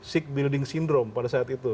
sig building syndrome pada saat itu